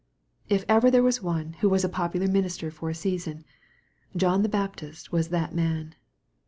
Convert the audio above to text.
If ever there was one who was a popular minister for a season, John the Baptist was that man.